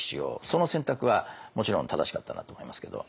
その選択はもちろん正しかったなと思いますけど。